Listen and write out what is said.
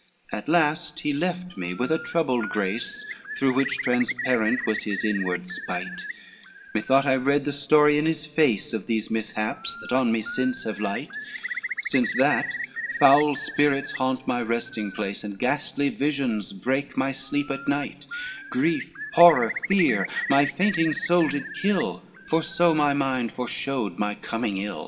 XLVIII "At last he left me with a troubled grace, Through which transparent was his inward spite, Methought I read the story in his face Of these mishaps that on me since have light, Since that foul spirits haunt my resting place, And ghastly visions break any sleep by night, Grief, horror, fear my fainting soul did kill, For so my mind foreshowed my coming ill.